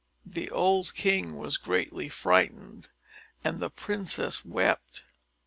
The old king was greatly frightened, and the princess wept.